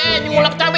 eh jengolak cabai